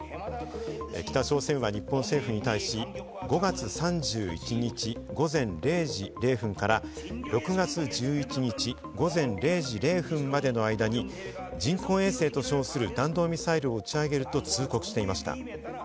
北朝鮮は日本政府に対し、５月３１日午前０時０分から６月１１日午前０時０分までの間に人工衛星と称する弾道ミサイルを打ち上げると通告していました。